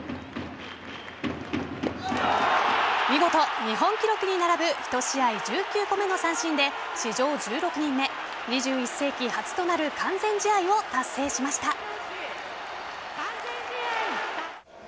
見事、日本記録に並ぶ１試合１９個目の三振で史上１６人目、２１世紀初となる完全試合を達成しました。